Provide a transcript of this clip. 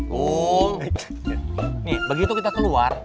hmm nih begitu kita keluar